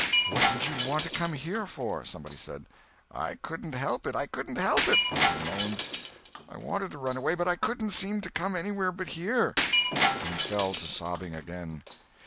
What did you want to come here for?" somebody said. "I couldn't help it—I couldn't help it," Potter moaned. "I wanted to run away, but I couldn't seem to come anywhere but here." And he fell to sobbing again.